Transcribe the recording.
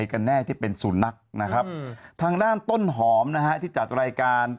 กันแน่ที่เป็นสุนัขนะครับทางด้านต้นหอมนะฮะที่จัดรายการ